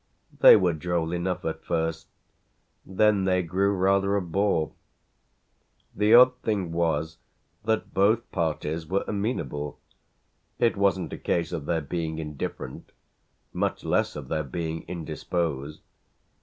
They were droll enough at first; then they grew rather a bore. The odd thing was that both parties were amenable: it wasn't a case of their being indifferent, much less of their being indisposed.